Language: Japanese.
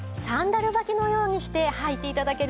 サンダル履きのようにして履いて頂けるんです。